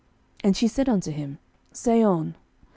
And she said unto him, Say on.